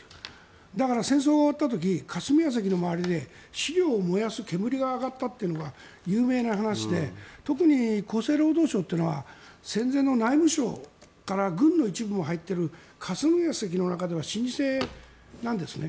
だから、戦争が終わった時霞が関の周りで資料を燃やす煙が上がったというのは有名な話で特に厚生労働省というのは戦前の内務省から軍の一部が入っている霞が関の中では老舗なんですね。